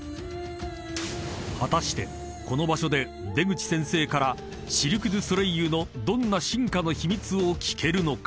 ［果たしてこの場所で出口先生からシルク・ドゥ・ソレイユのどんな進化の秘密を聞けるのか？］